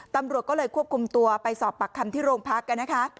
ตำรวจก็เลยควบคุมตัวไปสอบปากคำที่โรงพักกันนะคะ